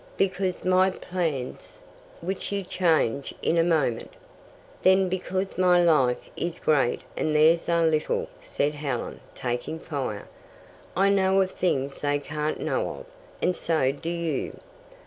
"Because my plans "" which you change in a moment." "Then because my life is great and theirs are little," said Helen, taking fire. "I know of things they can't know of, and so do you.